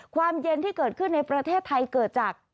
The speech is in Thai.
ความเย็นที่เกิดขึ้นในประเทศไทยเกิดจาก